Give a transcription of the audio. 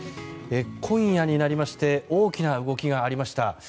今夜になりまして大きな動きがありました。